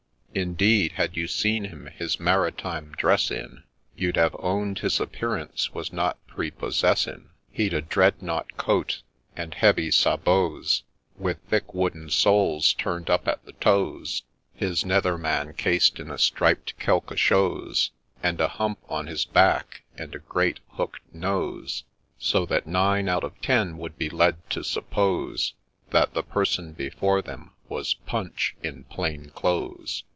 Indeed, had you seen him his maritime dress in, You'd have own'd his appearance was not prepossessing ; He'd a ' dreadnought ' coat, and heavy sabots With thick wooden soles turn'd up at the toes, His nether man cased in a striped qudque chose, And a hump on his back, and a great hook'd nose, So that nine out of ten would be led to suppose That the person before them was Punch in plain clothes.